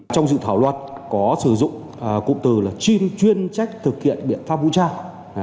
trong dự thảo luật có sử dụng cụm từ là chuyên chuyên trách thực hiện biện pháp vũ trang